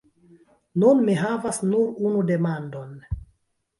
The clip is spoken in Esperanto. Nun mi havas nur unu demandon.